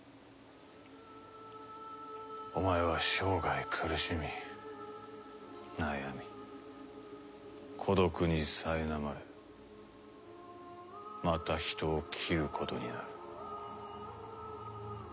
お前は生涯苦しみ悩み孤独にさいなまれまた人を斬ることになる。